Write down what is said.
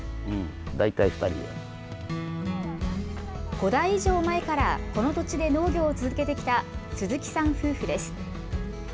５代以上前からこの土地で農業を続けてきた鈴木さん夫婦です。